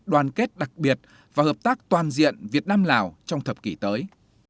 đoàn kết đặc biệt và hợp tác toàn diện việt nam lào trong thập kỷ tới